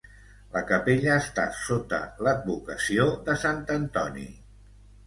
La capella està sota l'advocació de Sant Antoni.